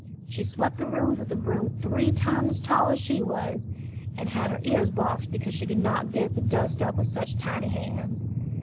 She swept the rooms with a broom three times as tall as she was, and had her ears boxed because she sould not get the dust up with such tiny hands.